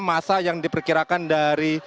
masa yang diperkirakan dari